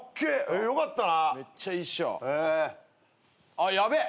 あっヤベえ。